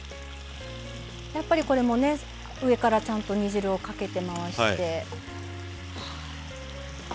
やっぱりこれもね上からちゃんと煮汁をかけて回して。